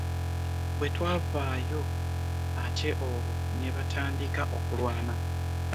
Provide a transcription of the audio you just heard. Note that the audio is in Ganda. Bwe twavaayo ate olwo ne batandika okulwana.